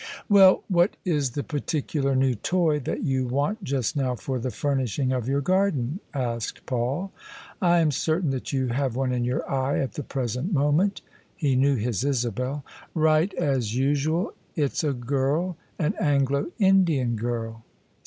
"Well, what is the particular new toy that you want just now for the furnishing of your garden?" asked Paul. " I am certain that you have one in your eye at the present moment." He knew his Isabel. " Right as usual I It's a girl — an Anglo Indian girl."